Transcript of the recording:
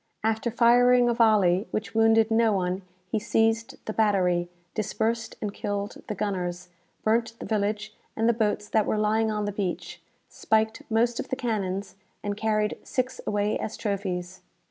After firing a volley, which wounded no one, he seized the battery, dispersed and killed the gunners, burnt the village and the boats that were lying on the beach, spiked most of the cannons, and carried six away as trophies.